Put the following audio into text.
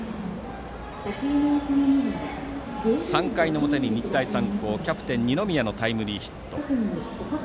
３回の表に日大三高キャプテン二宮のタイムリーヒット。